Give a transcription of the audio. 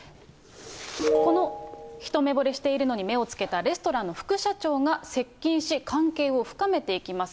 この一目ぼれしているのに目をつけたレストランの副社長が接近し、関係を深めていきます。